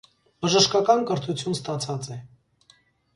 Բժշկական կրթութիւն ստացած է։